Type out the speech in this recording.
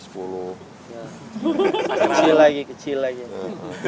kecil lagi kecil lagi